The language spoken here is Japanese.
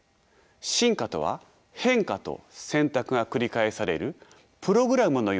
進化とは変化と選択が繰り返されるプログラムのようなものです。